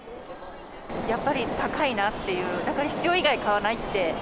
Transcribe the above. やっぱり、高いなっていう、だから必要以外、買わないって。